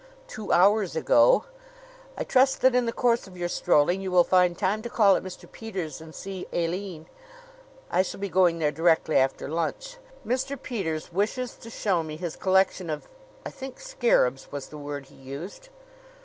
"Two hours ago. I trust that in the course of your strolling you will find time to call at Mr. Peters' and see Aline. I shall be going there directly after lunch. Mr. Peters wishes to show me his collection of I think scarabs was the word he used."